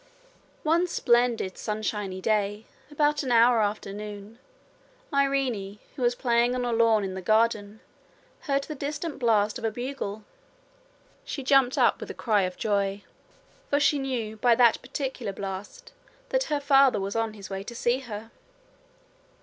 One splendid sunshiny day, about an hour after noon, Irene, who was playing on a lawn in the garden, heard the distant blast of a bugle. She jumped up with a cry of joy, for she knew by that particular blast that her father was on his way to see her.